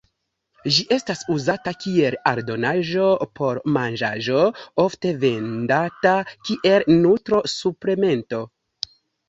Ĝi estas uzata kiel aldonaĵo por manĝaĵo ofte vendata kiel nutro-suplemento.